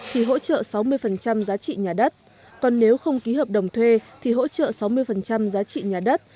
thì hỗ trợ sáu mươi giá trị nhà đất còn nếu không ký hợp đồng thuê thì hỗ trợ sáu mươi giá trị nhà đất